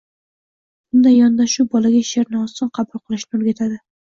Bunday yondoshuv bolaga sheʼrni oson qabul qilishni o‘rgatadi.